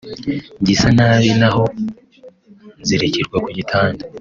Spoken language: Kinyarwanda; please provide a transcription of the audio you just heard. gisa nabi naho nzirikirwa ku gitanda